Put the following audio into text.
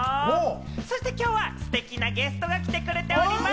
そして今日はステキなゲストが来てくれております。